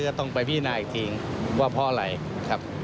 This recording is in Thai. ต้องไปพินาอีกทีว่าเพราะอะไรครับ